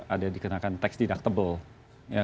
ada dikenakan tax deductible